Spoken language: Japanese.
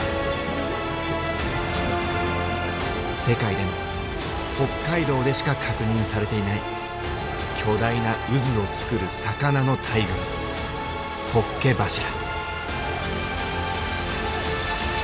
世界でも北海道でしか確認されていない巨大な渦を作る魚の大群ホッケ柱。